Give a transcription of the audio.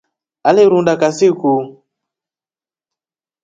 Alirunda kasi ku?